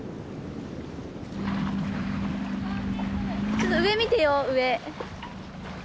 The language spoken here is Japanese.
ちょっと上見てよ上。